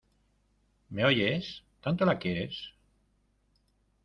¿ me oyes? ¿ tanto la quieres ?